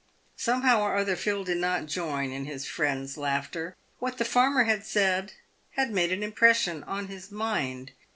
Some how or other Phil did not join in his friends' laughter. What the farmer had said had made an impression on his mind.